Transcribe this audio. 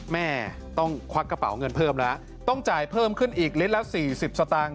แม่ต้องควักกระเป๋าเงินเพิ่มแล้วต้องจ่ายเพิ่มขึ้นอีกลิตรละ๔๐สตางค์